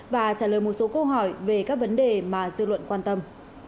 và trả lời một số câu hỏi về các vấn đề mà dư luận quan tâm